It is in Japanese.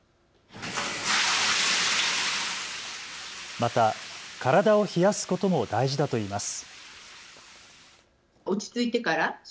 また、体を冷やすことも大事だといいます。